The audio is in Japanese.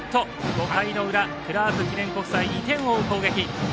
５回の裏、クラーク記念国際２点を追う攻撃。